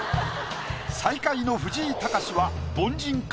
最下位の藤井隆は凡人か？